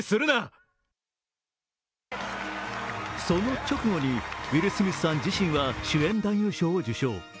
その直後にウィル・スミスさん自身は主演男優賞を受賞。